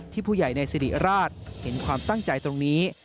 ผู้ใหญ่ในสิริราชเห็นความตั้งใจตรงนี้